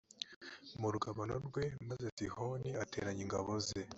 mu rugabano rwe maze sihoni ateranya ingabo ze